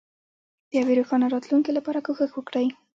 د یوې روښانه راتلونکې لپاره کوښښ وکړئ.